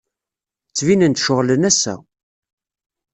Ttbinen-d ceɣlen assa.